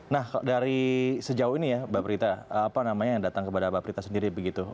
nah dari sejauh ini ya mbak prita apa namanya yang datang kepada mbak prita sendiri begitu